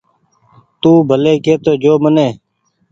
تو ڀلي ڪي تو جو مني